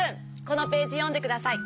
このページよんでください。